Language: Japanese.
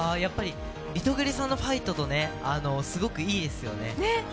リトグリさんの「ファイト！」、すごくいいですよね。